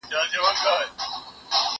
هغه وويل چي کتابتوني کار مهم دي!؟